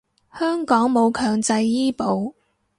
香港冇強制醫保